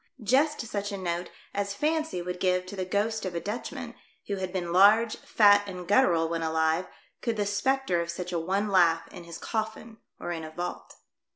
just such a note as fancy would give to the ghost of a Dutchman, who had been large, fat and guttural when alive, could the spectre of such a one laugh in his coffin or in a vault.